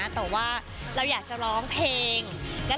แต่ว่าเราอยากจะร้องเพลง